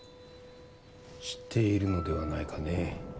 知っているのではないかね？